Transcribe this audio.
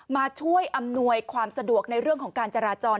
มาช่วยอำนวยความสะดวกในเรื่องของการจราจร